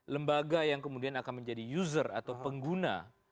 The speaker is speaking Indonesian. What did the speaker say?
lembaga yang kemudian akan menjadi user atau pengguna